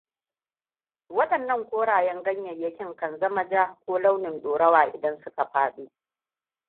Waɗannan koren ganyayyakin kan zama ja ko launin ɗorawa idan suka faɗo.